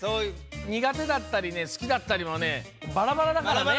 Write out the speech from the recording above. にがてだったりねすきだったりはねバラバラだからね。